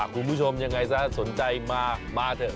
คุณผู้ชมยังไงซะสนใจมามาเถอะ